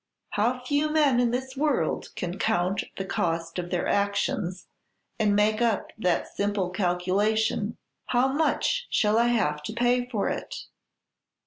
"How few men in this world can count the cost of their actions, and make up that simple calculation, 'How much shall I have to pay for it?'